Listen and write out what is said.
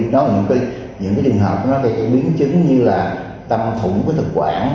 đôi khi những cái trường hợp nó bị biến chứng như là tâm thủng với thực quản